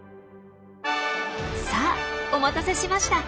さあお待たせしました。